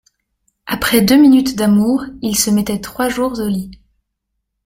Après deux minutes d'amour il se mettait trois jours au lit.